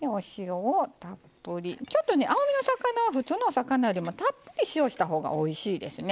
ちょっと青みの魚は普通のお魚よりもたっぷり塩をした方がおいしいですね。